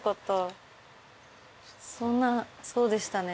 そんなそうでしたね。